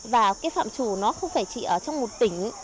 và phạm chủ không phải chỉ ở trong một tỉnh